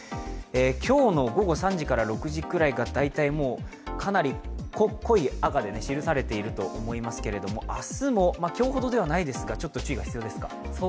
今日の午後３時から６時ぐらいがかなり濃い赤で記されていると思いますけど明日も今日ほどではないですが注意は必要ですか？